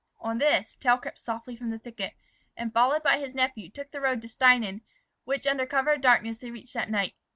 On this, Tell softly crept from the thicket, and, followed by his nephew, took the road to Stienen, which under cover of darkness, they reached that night.